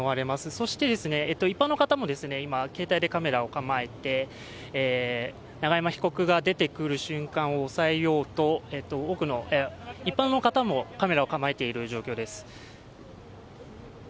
そして、一般の方も今、携帯でカメラを構えて、永山被告が出てくる瞬間を押さえようと、多くの一般の方もカメラを構えているような状況です。